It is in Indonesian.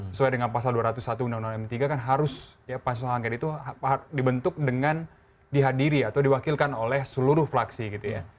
sesuai dengan pasal dua ratus satu undang undang md tiga kan harus ya pansus angket itu dibentuk dengan dihadiri atau diwakilkan oleh seluruh fraksi gitu ya